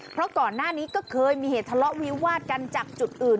เพราะก่อนหน้านี้ก็เคยมีเหตุทะเลาะวิวาดกันจากจุดอื่น